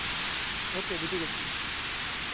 ওকে বুঝে গেছি।